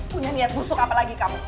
punya niat busuk apa lagi kamu